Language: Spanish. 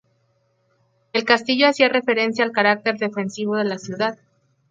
El castillo hacía referencia al carácter defensivo de la ciudad.